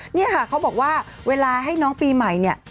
นี่ค่ะเขาบอกว่าเวลาให้น้องปีใหม่เนี่ย